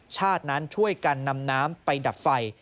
ชาตินั้นช่วยกันนำน้ำไปดับไฟ